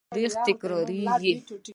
تاریخ تکراریږي